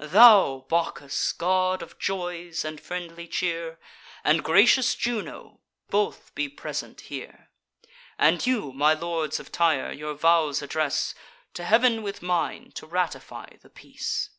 Thou, Bacchus, god of joys and friendly cheer, And gracious Juno, both be present here! And you, my lords of Tyre, your vows address To Heav'n with mine, to ratify the peace."